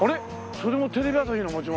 それもテレビ朝日の持ち物？